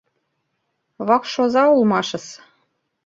Вакш оза улмашыс.